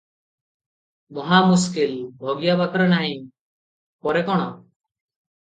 ମହାମୁସ୍କିଲ! ଭଗିଆ ପାଖରେ ନାହିଁ, କରେ କଣ?